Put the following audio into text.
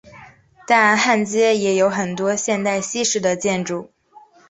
但汉街也有很多现代西式的建筑。